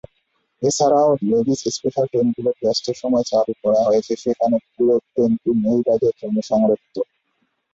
এছাড়াও, "ladies special" ট্রেনগুলি ব্যস্ত সময়ে চালু করা হয়েছে, যেখানে পুরো ট্রেনটি মহিলাদের জন্য সংরক্ষিত।